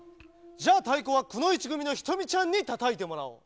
じゃあたいこはくのいちぐみのひとみちゃんにたたいてもらおう。